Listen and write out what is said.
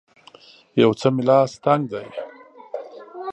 یو څه مې لاس تنګ دی